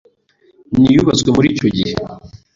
ni uyubatswe muri icyo gihe;